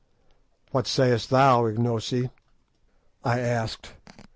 "What sayest thou, Ignosi," I asked.